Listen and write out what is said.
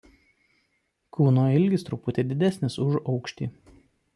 Kūno ilgis truputį didesnis už aukštį.